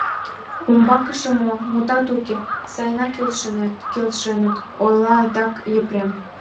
— Умбакыже мо... мутат уке, сайынак келшеныт, — ойла адак Епрем.